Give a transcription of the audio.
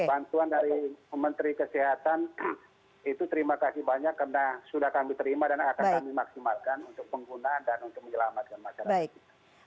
bantuan dari menteri kesehatan itu terima kasih banyak karena sudah kami terima dan akan kami maksimalkan untuk penggunaan dan untuk menyelamatkan masyarakat kita